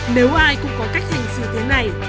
nếu ai cũng có cách hành xử thế này